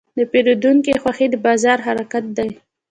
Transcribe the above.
د پیرودونکي خوښي د بازار حرکت دی.